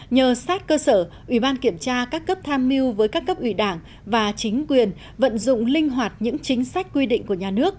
nhờ sát cơ sở ủy ban kiểm tra các cấp tham mưu với các cấp ủy đảng và chính quyền vận dụng linh hoạt những chính sách quy định của nhà nước